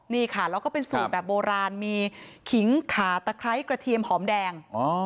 นี่ค่ะแล้วก็เป็นสูตรแบบโบราณมีขิงขาตะไคร้กระเทียมหอมแดง